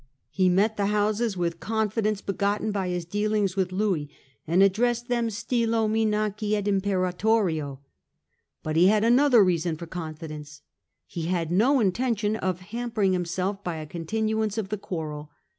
He met the Houses with con fidence begotten by his dealings with Louis, and addressed them 4 stylo minaci et imperatorio.' But he had another reason for confidence. He had no intention of hamper ing himself by a continuance of the quarrel.